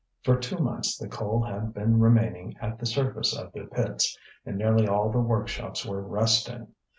For two months the coal had been remaining at the surface of their pits, and nearly all the workshops were resting.